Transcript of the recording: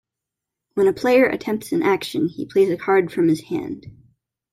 When a player attempts an action, he plays a card from his hand.